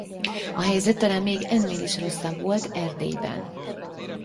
A helyzet talán még ennél is rosszabb volt Erdélyben.